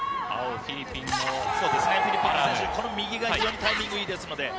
フィリピンの選手、右のタイミングがいいですので。